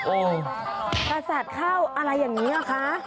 โอ้พระสัตว์ข้าวอะไรอย่างนี้คะ